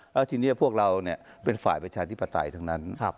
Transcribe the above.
แล้วทีเนี้ยพวกเราเนี้ยเป็นฝ่ายประชาธิปไตยทั้งนั้นครับ